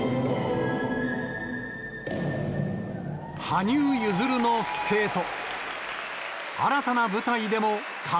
羽生結弦のスケート。